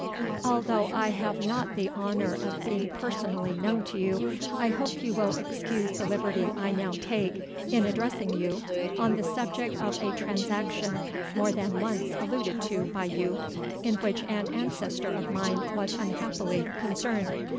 "Although I have not the honour of being personally known to you, I hope you will excuse the liberty I now take, in addressing you on the subject of a transaction more than once alluded to by you, in which an ancestor of mine was unhappily concerned.